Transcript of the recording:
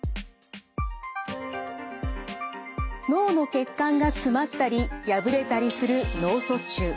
脳の血管が詰まったり破れたりする脳卒中。